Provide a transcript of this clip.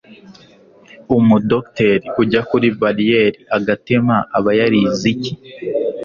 umu docteur ujya kuri barrier agatema aba yarize iki